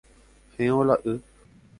He'õ la y